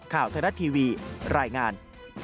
ข่าวทะเลาะทีวีรายงาน